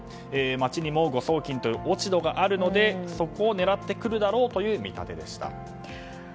町にも誤送金という落ち度があるのでそこを狙ってくるだろうという見立てでした。